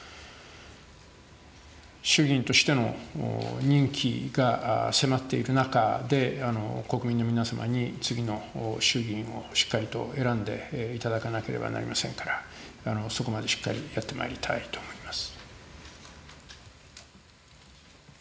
衆議院としての任期が迫っている中で、国民の皆様に次の衆議院をしっかりと選んでいただかなければなりませんから、そこまでしっかりやってまいりたいと思います。